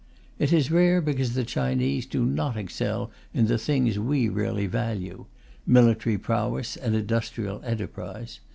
It is rare because the Chinese do not excel in the things we really value military prowess and industrial enterprise.